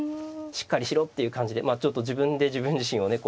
しっかりしろっていう感じでまあちょっと自分で自分自身をね